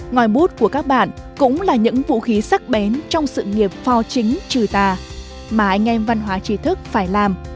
ngòi bút của các bạn cũng là những vũ khí sắc bén trong sự nghiệp phò chính trừ tà mà anh em văn hóa trí thức phải làm